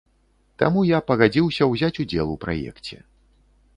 Таму я пагадзіўся ўзяць удзел у праекце.